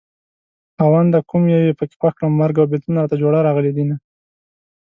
خاونده کوم يو پکې خوښ کړم مرګ او بېلتون راته جوړه راغلي دينه